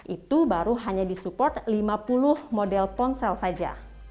itu baru hanya disupport lima puluh model ponsel saja